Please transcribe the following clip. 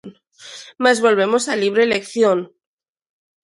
Mais volvemos á libre elección.